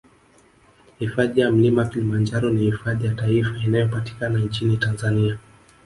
Hifadhi ya Mlima Kilimanjaro ni hifadhi ya taifa inayopatikana nchini Tanzania